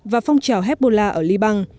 và phong trào hebbola ở liban